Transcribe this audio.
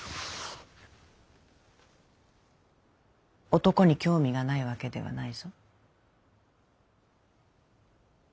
男に興味がないわけではないぞ。